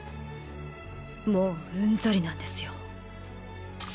もううんざりなんですよ。